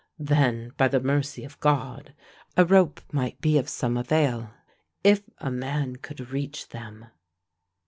Then, by the mercy of God, a rope might be of some avail, if a man could reach them.